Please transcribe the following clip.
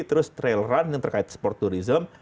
terus trail run yang terkait sport tourism